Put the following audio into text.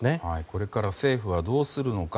これから政府はどうするのか。